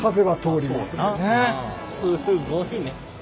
すごいね。